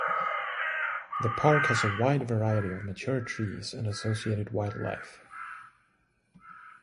The park has a wide variety of mature trees and associated wildlife.